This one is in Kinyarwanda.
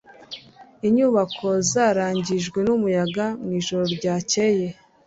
Inyubako zarangijwe n'umuyaga mwijoro ryakeye.